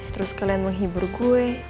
terus kalian menghibur gue